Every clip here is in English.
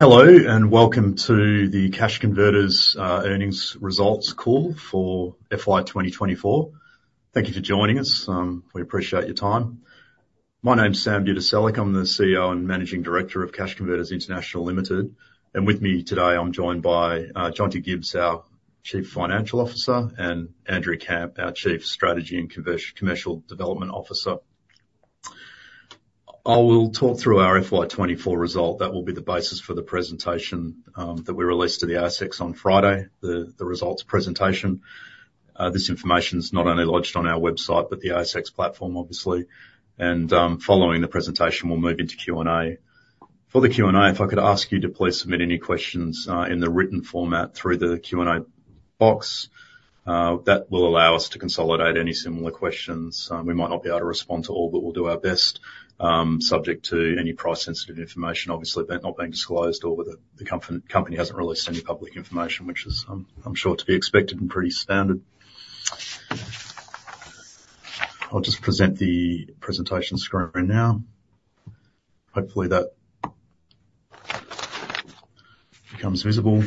Hello, and welcome to the Cash Converters earnings results call for FY 2024. Thank you for joining us. We appreciate your time. My name's Sam Budiselik, I'm the CEO and Managing Director of Cash Converters International Limited, and with me today, I'm joined by Jonty Gibbs, our Chief Financial Officer, and Andrew Kamp, our Chief Strategy and Commercial Development Officer. I will talk through our FY 2024 result. That will be the basis for the presentation that we released to the ASX on Friday, the results presentation. This information is not only lodged on our website, but the ASX platform, obviously. Following the presentation, we'll move into Q&A. For the Q&A, if I could ask you to please submit any questions in the written format through the Q&A box. That will allow us to consolidate any similar questions. We might not be able to respond to all, but we'll do our best, subject to any price-sensitive information obviously that not being disclosed, or whether the company hasn't released any public information, which is, I'm sure to be expected and pretty standard. I'll just present the presentation screen right now. Hopefully that becomes visible.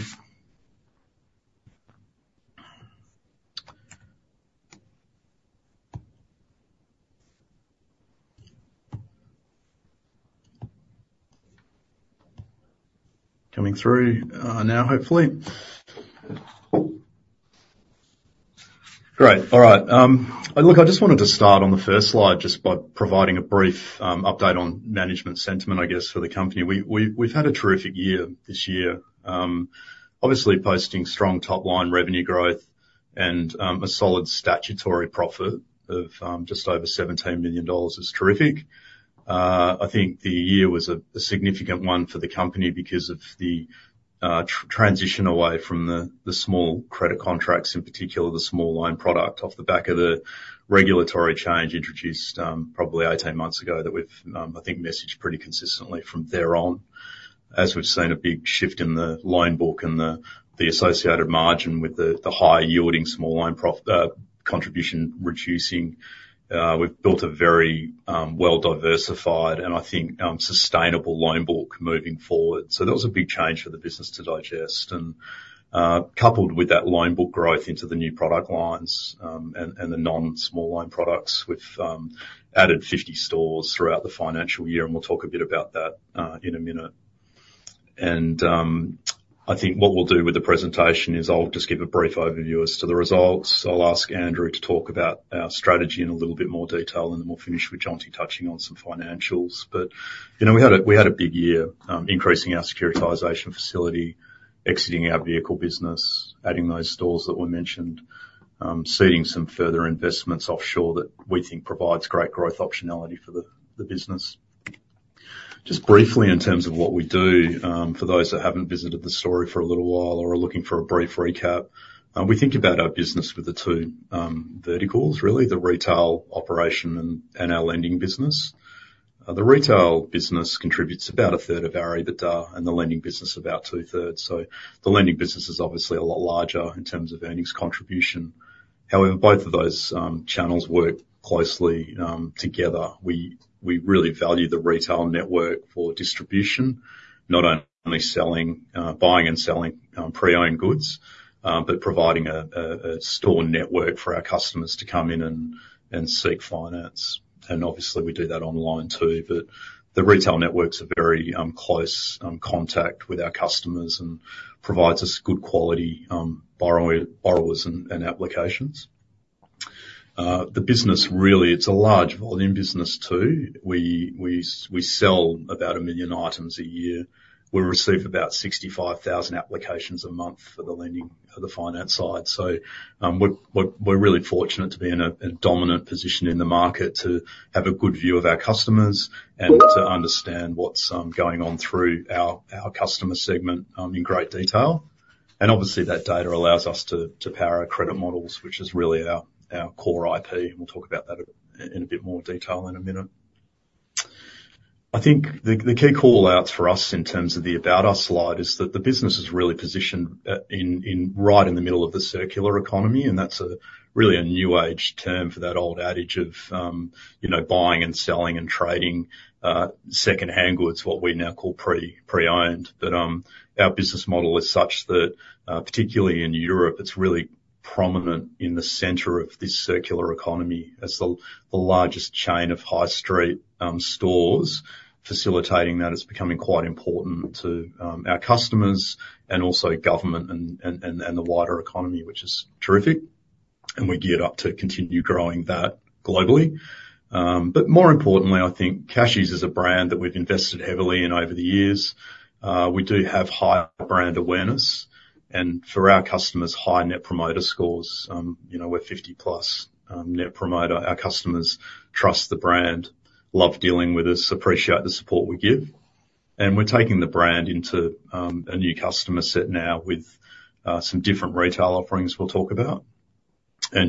Coming through, now, hopefully. Great. All right, look, I just wanted to start on the first slide, just by providing a brief update on management sentiment, I guess, for the company. We've had a terrific year this year. Obviously posting strong top line revenue growth and a solid statutory profit of just over 17 million dollars is terrific. I think the year was a significant one for the company because of the transition away from the small credit contracts, in particular, the small loan product, off the back of the regulatory change introduced, probably 18 months ago, that we've I think messaged pretty consistently from there on. As we've seen a big shift in the loan book and the associated margin with the higher yielding small loan contribution reducing, we've built a very well-diversified and I think sustainable loan book moving forward. So that was a big change for the business to digest, and coupled with that loan book growth into the new product lines, and the non-small loan products, we've added 50 stores throughout the financial year, and we'll talk a bit about that, in a minute. And, I think what we'll do with the presentation is I'll just give a brief overview as to the results. I'll ask Andrew to talk about our strategy in a little bit more detail, and then we'll finish with Jonty touching on some financials. But, you know, we had a big year, increasing our securitization facility, exiting our vehicle business, adding those stores that were mentioned, seeding some further investments offshore that we think provides great growth optionality for the business. Just briefly, in terms of what we do, for those that haven't visited the store for a little while or are looking for a brief recap, we think about our business with the two verticals, really, the retail operation and our lending business. The retail business contributes about a third of our EBITDA, and the lending business about two thirds. So the lending business is obviously a lot larger in terms of earnings contribution. However, both of those channels work closely together. We really value the retail network for distribution, not only buying and selling pre-owned goods, but providing a store network for our customers to come in and seek finance. And obviously, we do that online too, but the retail network's a very close contact with our customers, and provides us good quality borrowers and applications. The business, really, it's a large volume business, too. We sell about 1 million items a year. We receive about 65,000 applications a month for the lending, the finance side. We're really fortunate to be in a dominant position in the market, to have a good view of our customers, and to understand what's going on through our customer segment in great detail. Obviously, that data allows us to power our credit models, which is really our core IP, and we'll talk about that in a bit more detail in a minute. I think the key call-outs for us in terms of the About Us slide is that the business is really positioned right in the middle of the circular economy, and that's really a new age term for that old adage of you know, buying and selling and trading second-hand goods, what we now call pre-owned. But, our business model is such that, particularly in Europe, it's really prominent in the center of this circular economy. As the largest chain of high street stores, facilitating that is becoming quite important to our customers and also government and the wider economy, which is terrific, and we geared up to continue growing that globally. But more importantly, I think Cashies is a brand that we've invested heavily in over the years. We do have high brand awareness, and for our customers, high Net Promoter scores. You know, we're 50+ Net Promoter. Our customers trust the brand, love dealing with us, appreciate the support we give, and we're taking the brand into a new customer set now with some different retail offerings we'll talk about.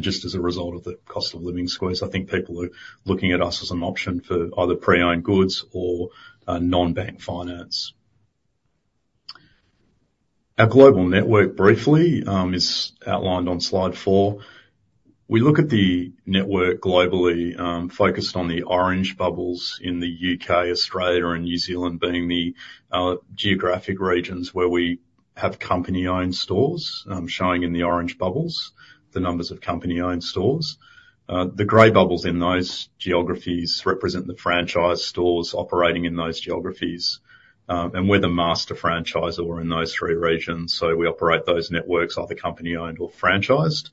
Just as a result of the cost of living squeeze, I think people are looking at us as an option for either pre-owned goods or non-bank finance. Our global network, briefly, is outlined on Slide four. We look at the network globally, focused on the orange bubbles in the U.K., Australia, and New Zealand, being the geographic regions where we have company-owned stores, showing in the orange bubbles the numbers of company-owned stores. The gray bubbles in those geographies represent the franchise stores operating in those geographies. We're the master franchisor in those three regions, so we operate those networks either company-owned or franchised.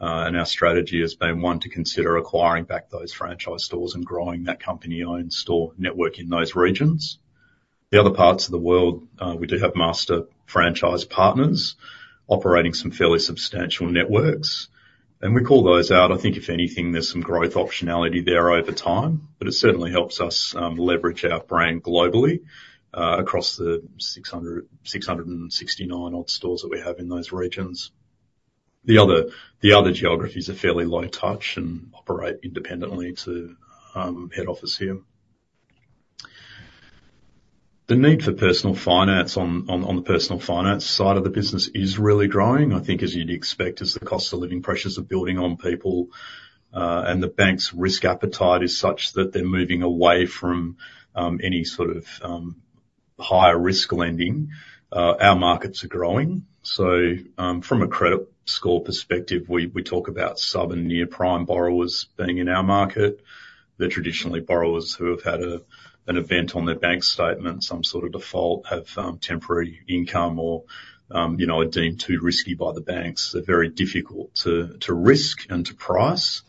Our strategy has been one to consider acquiring back those franchise stores and growing that company-owned store network in those regions. The other parts of the world, we do have master franchise partners operating some fairly substantial networks, and we call those out. I think if anything, there's some growth optionality there over time, but it certainly helps us, leverage our brand globally, across the six hundred and sixty-nine odd stores that we have in those regions. The other geographies are fairly light touch and operate independently to head office here. The need for personal finance on the personal finance side of the business is really growing. I think, as you'd expect, as the cost of living pressures are building on people, and the bank's risk appetite is such that they're moving away from any sort of higher risk lending, our markets are growing. So, from a credit score perspective, we talk about sub and near prime borrowers being in our market. They're traditionally borrowers who have had an event on their bank statement, some sort of default, have temporary income or, you know, are deemed too risky by the banks. They're very difficult to risk and to price,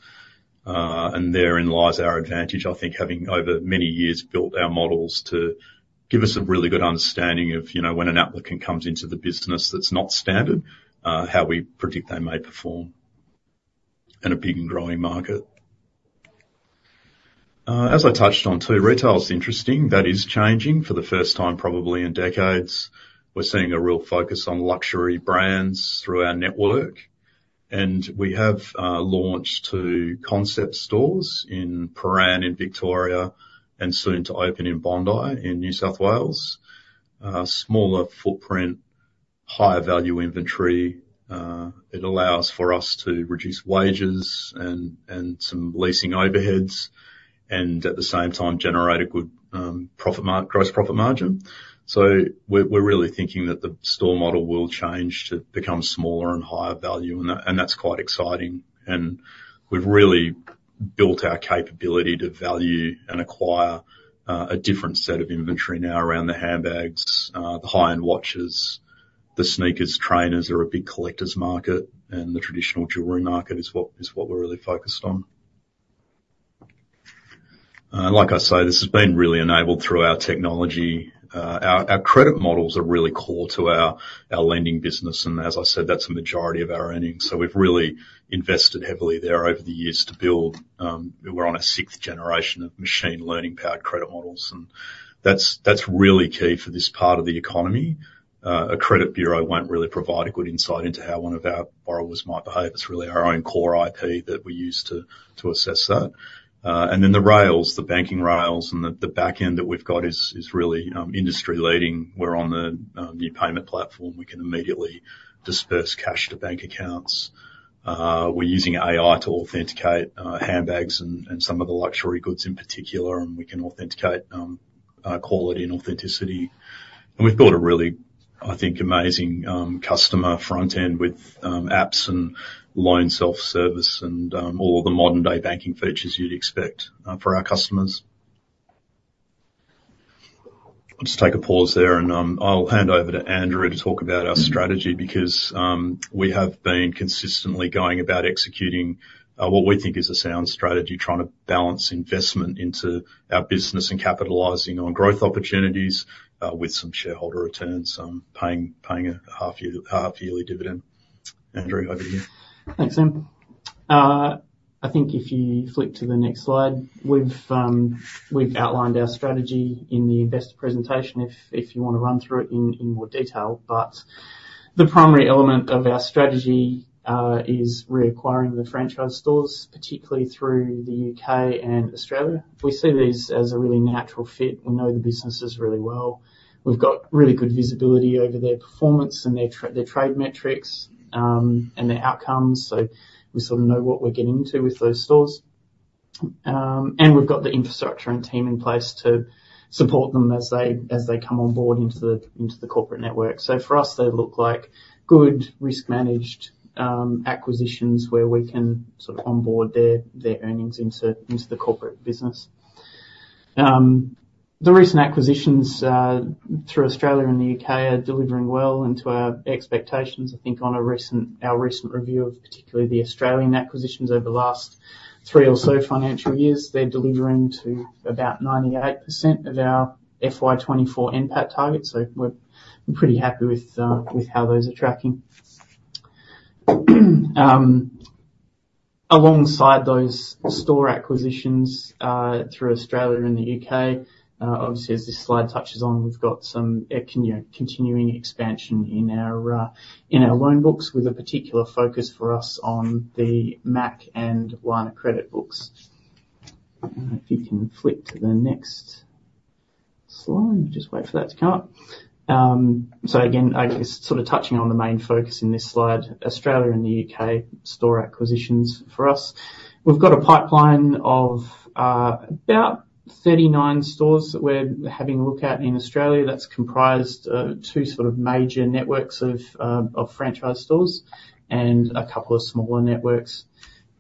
and therein lies our advantage. I think, having over many years built our models to give us a really good understanding of, you know, when an applicant comes into the business that's not standard, how we predict they may perform in a big and growing market. As I touched on, too, retail is interesting. That is changing. For the first time probably in decades, we're seeing a real focus on luxury brands through our network, and we have launched two concept stores in Prahran, in Victoria, and soon to open in Bondi, in New South Wales. Smaller footprint, higher value inventory. It allows for us to reduce wages and some leasing overheads, and at the same time, generate a good gross profit margin. So we're really thinking that the store model will change to become smaller and higher value, and that's quite exciting. We've really built our capability to value and acquire a different set of inventory now around the handbags, the high-end watches, the sneakers. Trainers are a big collector's market, and the traditional jewelry market is what we're really focused on. Like I say, this has been really enabled through our technology. Our credit models are really core to our lending business, and as I said, that's the majority of our earnings. So we've really invested heavily there over the years to build. We're on our sixth generation of machine learning-powered credit models, and that's really key for this part of the economy. A credit bureau won't really provide a good insight into how one of our borrowers might behave. It's really our own core IP that we use to assess that. And then the rails, the banking rails, and the back end that we've got is really industry-leading. We're on the New Payment Platform. We can immediately disperse cash to bank accounts. We're using AI to authenticate handbags and some of the luxury goods in particular, and we can authenticate quality and authenticity. And we've built a really, I think, amazing customer front end with apps and loan self-service, and all the modern-day banking features you'd expect for our customers. I'll just take a pause there, and I'll hand over to Andrew to talk about our strategy, because we have been consistently going about executing what we think is a sound strategy, trying to balance investment into our business and capitalizing on growth opportunities with some shareholder returns, paying a half-yearly dividend. Andrew, over to you. Thanks, Sam. I think if you flip to the next slide, we've, we've outlined our strategy in the investor presentation, if you wanna run through it in more detail. But the primary element of our strategy is reacquiring the franchise stores, particularly through the U.K. and Australia. We see these as a really natural fit. We know the businesses really well. We've got really good visibility over their performance and their trade metrics, and their outcomes, so we sort of know what we're getting into with those stores. And we've got the infrastructure and team in place to support them as they come on board into the corporate network. So for us, they look like good risk managed acquisitions, where we can sort of onboard their earnings into the corporate business. The recent acquisitions through Australia and the U.K. are delivering well and to our expectations. I think on our recent review of particularly the Australian acquisitions over the last three or so financial years, they're delivering to about 98% of our FY twenty-four NPAT target. So we're pretty happy with how those are tracking. Alongside those store acquisitions through Australia and the U.K., obviously, as this slide touches on, we've got some continuing expansion in our loan books, with a particular focus for us on the MAC and line of credit books. If you can flick to the next slide. Just wait for that to come up. Again, I guess sort of touching on the main focus in this slide, Australia and the U.K. store acquisitions for us. We've got a pipeline of about 39 stores that we're having a look at in Australia. That's comprised of two sort of major networks of franchise stores and a couple of smaller networks.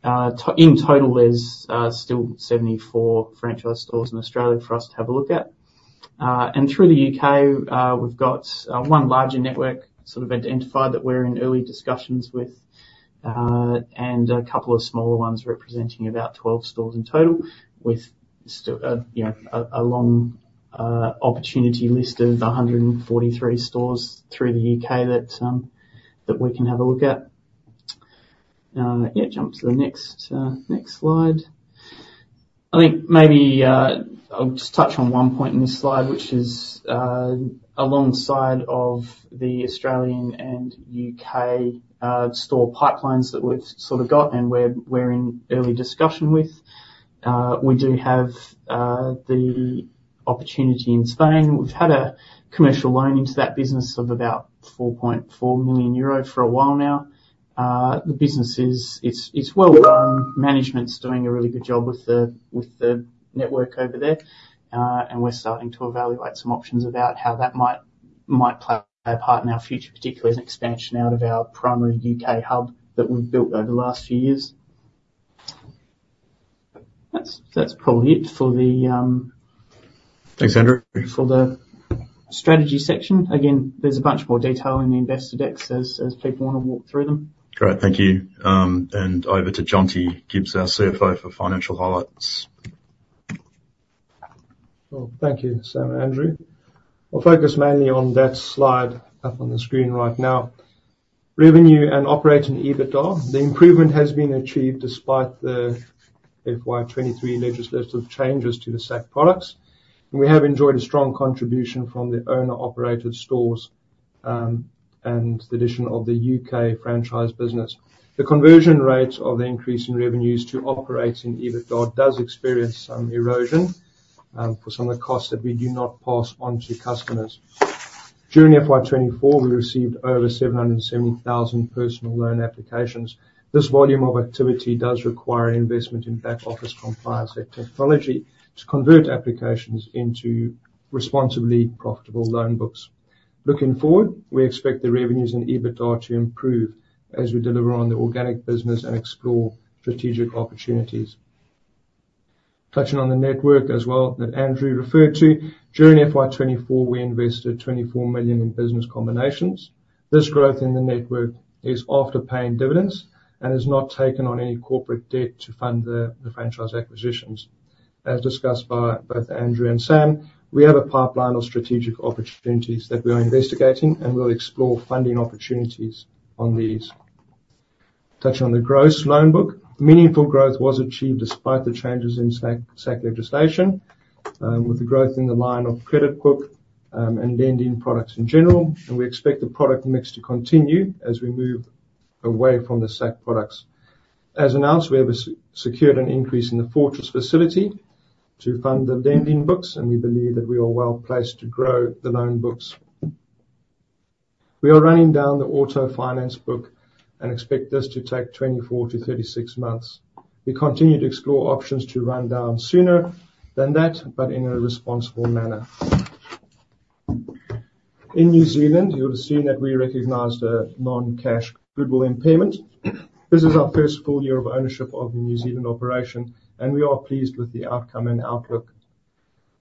In total, there's still 74 franchise stores in Australia for us to have a look at. And through the U.K., we've got one larger network sort of identified that we're in early discussions with, and a couple of smaller ones representing about 12 stores in total, with still you know a long opportunity list of 143 stores through the U.K. that that we can have a look at. Yeah, jump to the next slide. I think maybe, I'll just touch on one point in this slide, which is, alongside of the Australian and U.K. store pipelines that we've sort of got, and we're in early discussion with. We do have the opportunity in Spain. We've had a commercial loan into that business of about 4.4 million euro for a while now. The business is, it's well run. Management's doing a really good job with the network over there, and we're starting to evaluate some options about how that might play a part in our future, particularly as an expansion out of our primary U.K. hub that we've built over the last few years. That's probably it for the, Thanks, Andrew. for the strategy section. Again, there's a bunch more detail in the investor decks as people want to walk through them. Great, thank you, and over to Jonty Gibbs, our CFO for financial highlights. Thank you, Sam and Andrew. I'll focus mainly on that slide up on the screen right now. Revenue and operating EBITDA, the improvement has been achieved despite the FY 2023 legislative changes to the SACC products, and we have enjoyed a strong contribution from the owner-operated stores, and the addition of the U.K. franchise business. The conversion rate of the increase in revenues to operating EBITDA does experience some erosion, for some of the costs that we do not pass on to customers. During FY 2024, we received over 770,000 personal loan applications. This volume of activity does require an investment in back office compliance and technology to convert applications into responsibly profitable loan books. Looking forward, we expect the revenues and EBITDA to improve as we deliver on the organic business and explore strategic opportunities. Touching on the network as well, that Andrew referred to, during FY24, we invested 24 million in business combinations. This growth in the network is after paying dividends and has not taken on any corporate debt to fund the franchise acquisitions. As discussed by both Andrew and Sam, we have a pipeline of strategic opportunities that we are investigating, and we'll explore funding opportunities on these. Touching on the gross loan book, meaningful growth was achieved despite the changes in SACC legislation, with the growth in the line of credit book, and lending products in general, and we expect the product mix to continue as we move away from the SACC products. As announced, we have secured an increase in the Fortress facility to fund the lending books, and we believe that we are well placed to grow the loan books. We are running down the auto finance book and expect this to take twenty-four to thirty-six months. We continue to explore options to run down sooner than that, but in a responsible manner. In New Zealand, you'll have seen that we recognized a non-cash goodwill impairment. This is our first full year of ownership of the New Zealand operation, and we are pleased with the outcome and outlook.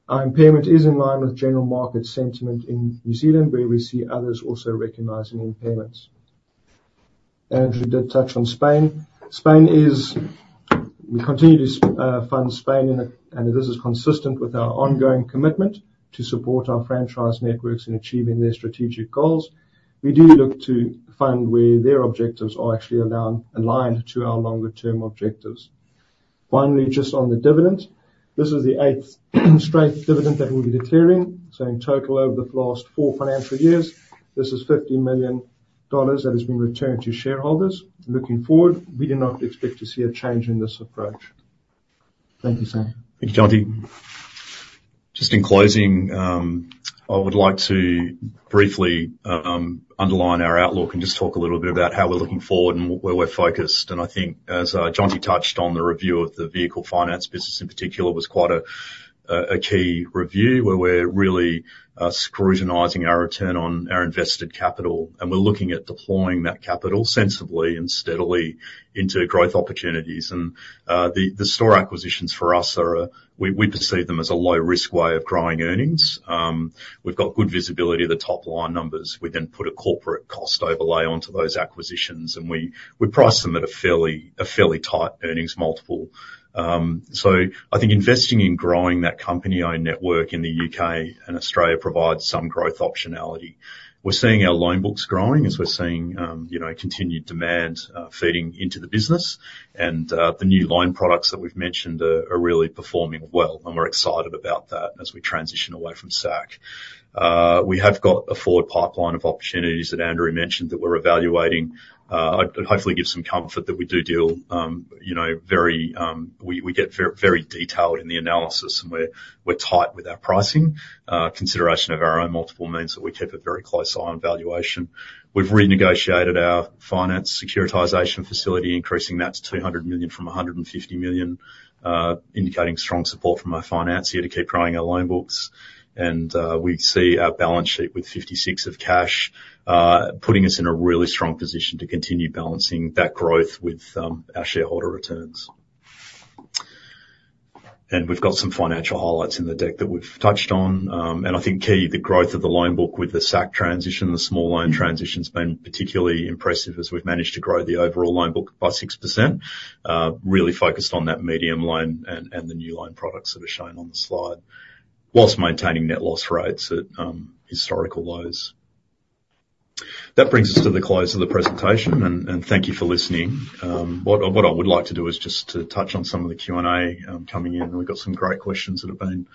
Our impairment is in line with general market sentiment in New Zealand, where we see others also recognizing impairments. Andrew did touch on Spain. Spain is. We continue to fund Spain, and this is consistent with our ongoing commitment to support our franchise networks in achieving their strategic goals. We do look to fund where their objectives are actually aligned to our longer-term objectives. Finally, just on the dividend, this is the eighth straight dividend that we'll be declaring. So in total, over the last four financial years, this is 50 million dollars that has been returned to shareholders. Looking forward, we do not expect to see a change in this approach. Thank you, Sam. Thank you, Jonty. Just in closing, I would like to briefly underline our outlook and just talk a little bit about how we're looking forward and where we're focused. I think as Jonty touched on, the review of the vehicle finance business in particular was quite a key review, where we're really scrutinizing our return on our invested capital, and we're looking at deploying that capital sensibly and steadily into growth opportunities. And the store acquisitions for us are we perceive them as a low-risk way of growing earnings. We've got good visibility of the top line numbers. We then put a corporate cost overlay onto those acquisitions, and we price them at a fairly tight earnings multiple. So I think investing in growing that company-owned network in the U.K. and Australia provides some growth optionality. We're seeing our loan books growing, as we're seeing, you know, continued demand feeding into the business. And, the new loan products that we've mentioned are really performing well, and we're excited about that as we transition away from SAC. We have got a forward pipeline of opportunities that Andrew mentioned, that we're evaluating. It hopefully gives some comfort that we do deal, you know, very. We get very detailed in the analysis, and we're tight with our pricing. Consideration of our own multiple means that we keep a very close eye on valuation. We've renegotiated our finance securitization facility, increasing that to 200 million from 150 million, indicating strong support from our financier to keep growing our loan books. And we see our balance sheet with 56 million of cash, putting us in a really strong position to continue balancing that growth with our shareholder returns, and we've got some financial highlights in the deck that we've touched on. And I think key, the growth of the loan book with the SACC transition, the small loan transition's been particularly impressive as we've managed to grow the overall loan book by 6%. Really focused on that medium loan and the new loan products that are shown on the slide, while maintaining net loss rates at historical lows. That brings us to the close of the presentation, and thank you for listening. What I would like to do is just to touch on some of the Q&A coming in, and we've got some great questions that have been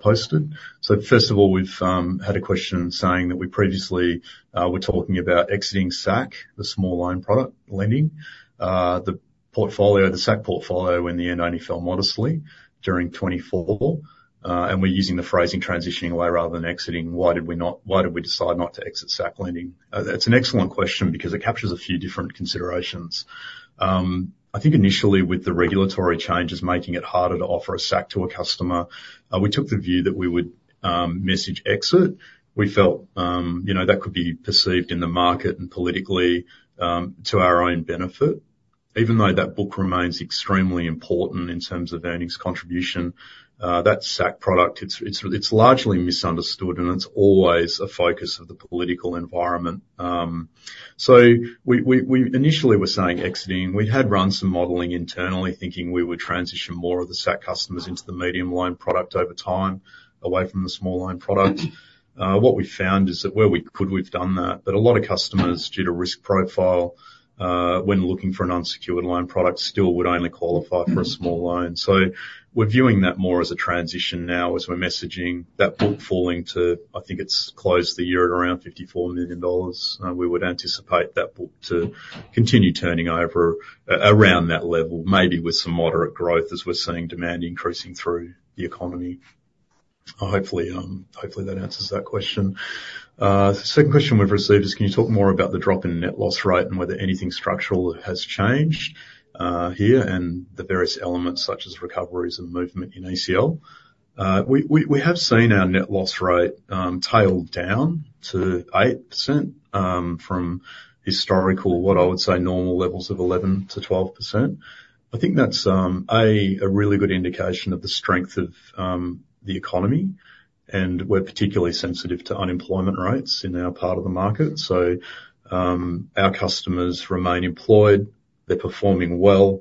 posted. So first of all, we've had a question saying that we previously were talking about exiting SAC, the small loan product lending. The portfolio, the SAC portfolio in the end only fell modestly during 2024, and we're using the phrasing transitioning away rather than exiting. Why did we decide not to exit SAC lending? That's an excellent question because it captures a few different considerations. I think initially with the regulatory changes making it harder to offer a SAC to a customer, we took the view that we would message exit. We felt, you know, that could be perceived in the market and politically, to our own benefit. Even though that book remains extremely important in terms of earnings contribution, that SACC product, it's largely misunderstood, and it's always a focus of the political environment. So we initially were saying exiting. We had run some modeling internally, thinking we would transition more of the SACC customers into the medium loan product over time, away from the small loan product. What we found is that where we could, we've done that, but a lot of customers, due to risk profile, when looking for an unsecured loan product, still would only qualify for a small loan. So we're viewing that more as a transition now as we're messaging that book falling to. I think it's closed the year at around 54 million dollars. We would anticipate that book to continue turning over around that level, maybe with some moderate growth as we're seeing demand increasing through the economy. Hopefully, that answers that question. The second question we've received is: Can you talk more about the drop in net loss rate and whether anything structural has changed, here, and the various elements such as recoveries and movement in ACL? We have seen our net loss rate tail down to 8%, from historical, what I would say, normal levels of 11%-12%. I think that's a really good indication of the strength of the economy, and we're particularly sensitive to unemployment rates in our part of the market. So, our customers remain employed. They're performing well.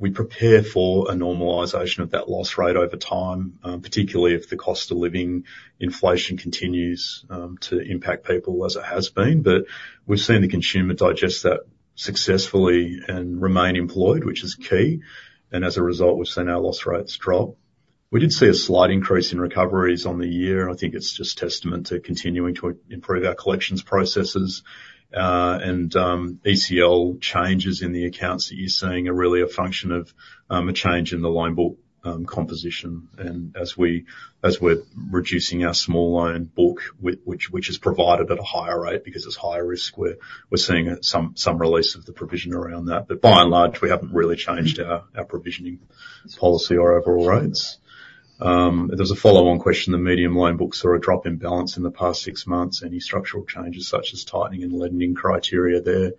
We prepare for a normalization of that loss rate over time, particularly if the cost of living inflation continues to impact people as it has been, but we've seen the consumer digest that successfully and remain employed, which is key, and as a result, we've seen our loss rates drop. We did see a slight increase in recoveries on the year, and I think it's just testament to continuing to improve our collections processes, and ACL changes in the accounts that you're seeing are really a function of a change in the loan book composition, and as we're reducing our small loan book, which is provided at a higher rate because it's higher risk, we're seeing some release of the provision around that. But by and large, we haven't really changed our provisioning policy or overall rates. There's a follow-on question, "The medium loan books saw a drop in balance in the past six months. Any structural changes, such as tightening and lending criteria there?"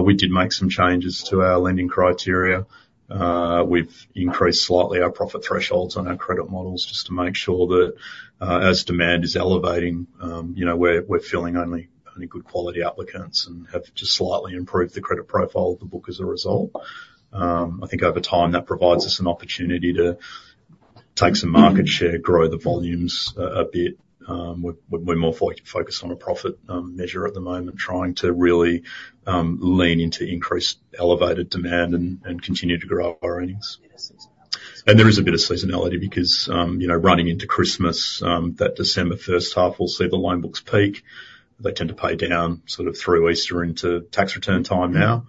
We did make some changes to our lending criteria. We've increased slightly our profit thresholds on our credit models, just to make sure that, as demand is elevating, you know, we're filling only good quality applicants and have just slightly improved the credit profile of the book as a result. I think over time, that provides us an opportunity to take some market share, grow the volumes a bit. We're more focused on a profit measure at the moment, trying to really lean into increased elevated demand and continue to grow our earnings. And there is a bit of seasonality because, you know, running into Christmas, that December first half, we'll see the loan books peak. They tend to pay down sort of through Easter into tax return time now,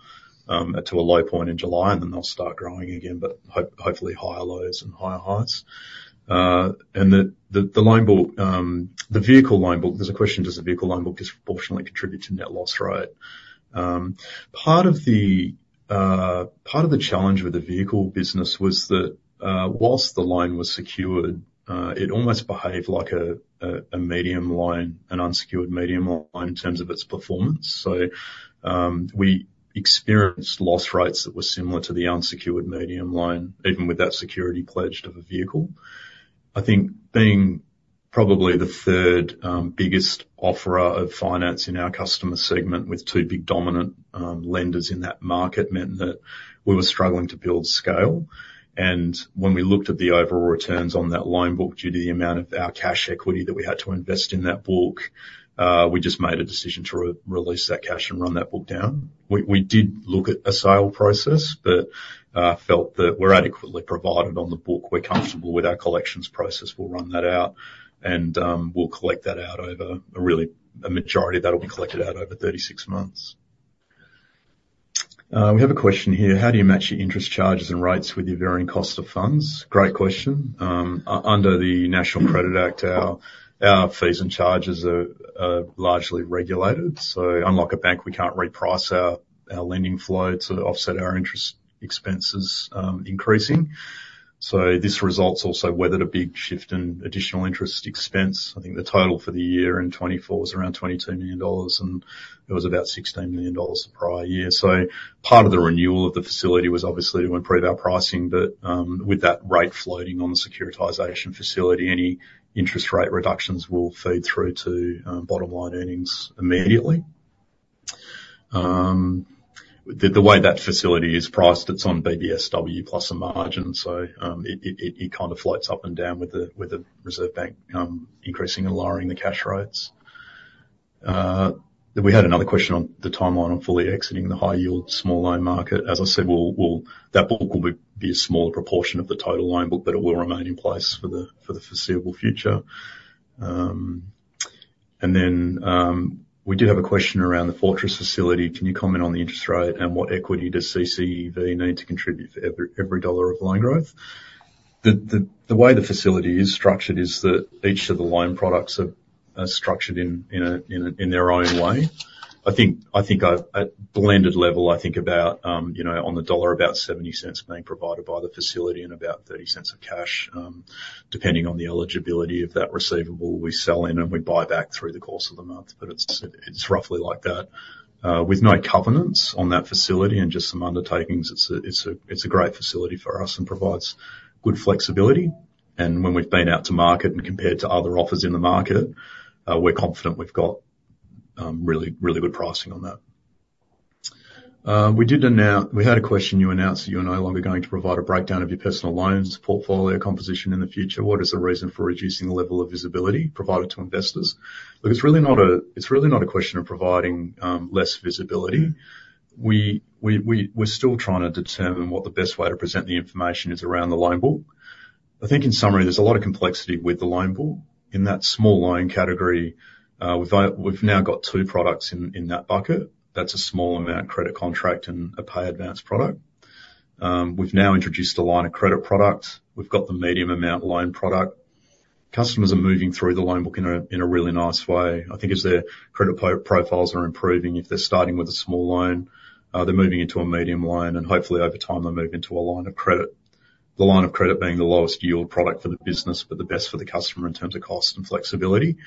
to a low point in July, and then they'll start growing again, but hopefully, higher lows and higher highs. And the loan book, the vehicle loan book. There's a question: "Does the vehicle loan book disproportionately contribute to net loss rate?" Part of the challenge with the vehicle business was that, while the loan was secured, it almost behaved like a medium loan, an unsecured medium loan in terms of its performance. So, we experienced loss rates that were similar to the unsecured medium loan, even with that security pledge of a vehicle. I think being probably the third biggest offerer of finance in our customer segment with two big dominant lenders in that market meant that we were struggling to build scale. And when we looked at the overall returns on that loan book, due to the amount of our cash equity that we had to invest in that book, we just made a decision to re-release that cash and run that book down. We did look at a sale process, but felt that we're adequately provided on the book. We're comfortable with our collections process. We'll run that out and we'll collect that out. A majority of that will be collected out over thirty-six months. We have a question here: "How do you match your interest charges and rates with your varying cost of funds?" Great question. Under the National Credit Act, our fees and charges are largely regulated. So unlike a bank, we can't reprice our lending flow to offset our interest expenses increasing. So this results also weathered a big shift in additional interest expense. I think the total for the year in 2024 was around 22 million dollars, and it was about 16 million dollars the prior year. So part of the renewal of the facility was obviously to improve our pricing, but with that rate floating on the securitization facility, any interest rate reductions will feed through to bottom line earnings immediately. The way that facility is priced, it's on BBSW plus a margin. So it kind of floats up and down with the Reserve Bank increasing and lowering the cash rates. Then we had another question on the timeline on fully exiting the high yield small loan market. As I said, that book will be a smaller proportion of the total loan book, but it will remain in place for the foreseeable future. And then, we do have a question around the Fortress facility. Can you comment on the interest rate, and what equity does CCV need to contribute for every dollar of loan growth? The way the facility is structured is that each of the loan products are structured in their own way. I think at blended level, about, on the dollar, about seventy cents being provided by the facility and about thirty cents of cash. Depending on the eligibility of that receivable, we sell in and we buy back through the course of the month, but it's roughly like that. With no covenants on that facility and just some undertakings, it's a great facility for us and provides good flexibility. And when we've been out to market and compared to other offers in the market, we're confident we've got really, really good pricing on that. We had a question, you announced that you are no longer going to provide a breakdown of your personal loans portfolio composition in the future. What is the reason for reducing the level of visibility provided to investors? Look, it's really not a question of providing less visibility. We're still trying to determine what the best way to present the information is around the loan book. I think in summary, there's a lot of complexity with the loan book. In that small loan category, we've now got two products in that bucket. That's a small amount credit contract and a PayAdvance product. We've now introduced a line of credit products. We've got the medium amount loan product. Customers are moving through the loan book in a really nice way. I think as their credit profiles are improving, if they're starting with a small loan, they're moving into a medium loan, and hopefully, over time, they'll move into a line of credit. The line of credit being the lowest yield product for the business, but the best for the customer in terms of cost and flexibility.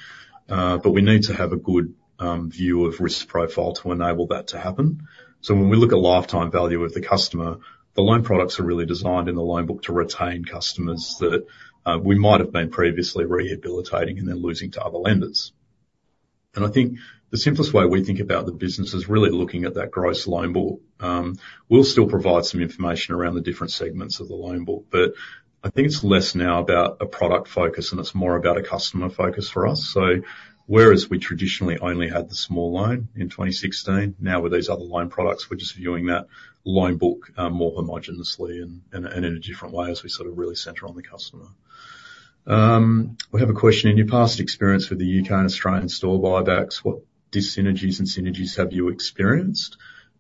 But we need to have a good view of risk profile to enable that to happen. So when we look at lifetime value of the customer, the loan products are really designed in the loan book to retain customers that we might have been previously rehabilitating and then losing to other lenders. And I think the simplest way we think about the business is really looking at that gross loan book. We'll still provide some information around the different segments of the loan book, but I think it's less now about a product focus, and it's more about a customer focus for us. So whereas we traditionally only had the small loan in 2016, now with these other loan products, we're just viewing that loan book more homogeneously and in a different way as we sort of really center on the customer. We have a question: In your past experience with the U.K. and Australian store buybacks, what dyssynergies and synergies have you experienced?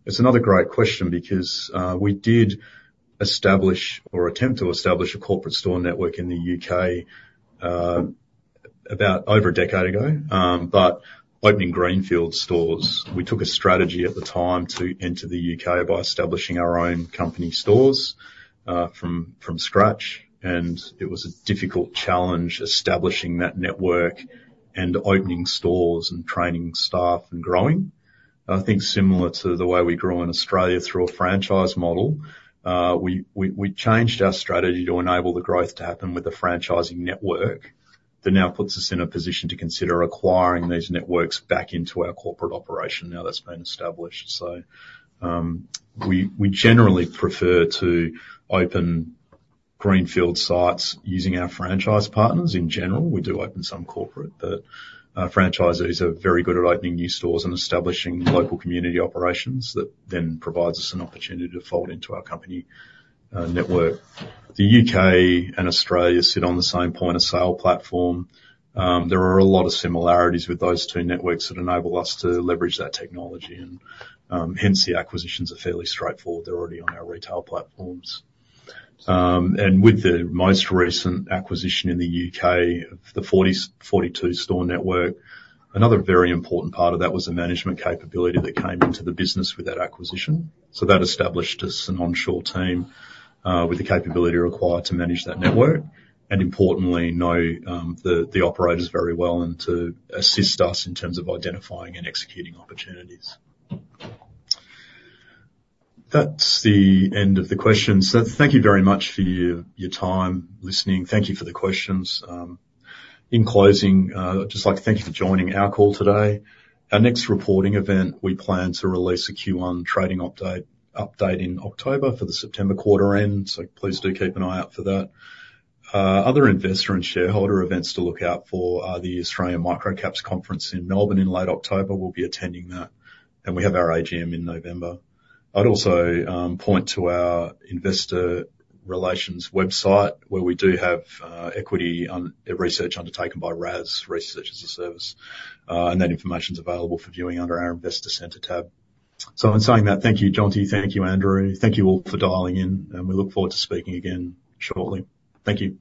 It's another great question because we did establish or attempt to establish a corporate store network in the U.K. about over a decade ago, but opening greenfield stores, we took a strategy at the time to enter the U.K. by establishing our own company stores from scratch, and it was a difficult challenge establishing that network and opening stores, and training staff, and growing. I think similar to the way we grew in Australia through a franchise model, we changed our strategy to enable the growth to happen with the franchising network. That now puts us in a position to consider acquiring these networks back into our corporate operation, now that's been established. We generally prefer to open greenfield sites using our franchise partners in general. We do open some corporate, but franchises are very good at opening new stores and establishing local community operations that then provides us an opportunity to fold into our company network. The U.K. and Australia sit on the same point-of-sale platform. There are a lot of similarities with those two networks that enable us to leverage that technology and, hence, the acquisitions are fairly straightforward. They're already on our retail platforms, and with the most recent acquisition in the U.K., of the 42-store network, another very important part of that was the management capability that came into the business with that acquisition. So that established us an onshore team with the capability required to manage that network, and importantly, the operators very well and to assist us in terms of identifying and executing opportunities. That's the end of the questions, so thank you very much for your time listening. Thank you for the questions. In closing, I'd just like to thank you for joining our call today. Our next reporting event, we plan to release a Q1 trading update in October for the September quarter end, so please do keep an eye out for that. Other investor and shareholder events to look out for are the Australian Microcaps Conference in Melbourne in late October. We'll be attending that, and we have our AGM in November. I'd also point to our investor relations website, where we do have equity research undertaken by RaaS, Research as a Service, and that information is available for viewing under our Investor Center tab, so in saying that, thank you, Jonty. Thank you, Andrew. Thank you all for dialing in, and we look forward to speaking again shortly. Thank you.